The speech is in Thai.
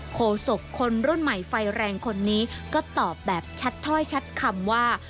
โศกคนรุ่นใหม่ไฟแรงคนนี้ก็ตอบแบบชัดถ้อยชัดคำว่า